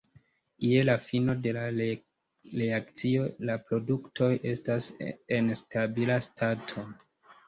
Je la fino de la reakcio la produktoj estas en stabila stato.